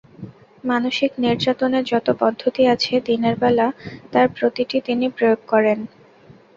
মানসিক নির্যাতনের যত পদ্ধতি আছে দিনের বেলা তাঁর প্রতিটি তিনি প্রয়োগ করেন।